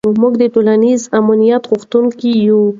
موږ د ټولنیز امنیت غوښتونکي یو.